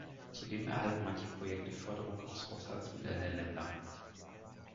Zudem erhalten manche Projekte Förderung aus Haushaltsmitteln der Länder.